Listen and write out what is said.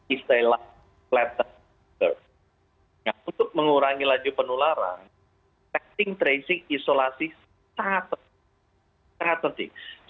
istilah untuk mengurangi laju penularan testing tracing isolasi sangat penting